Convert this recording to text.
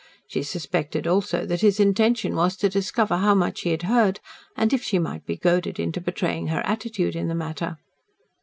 She suspected also that his intention was to discover how much she had heard, and if she might be goaded into betraying her attitude in the matter.